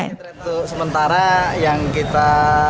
ini terhitung sementara yang kita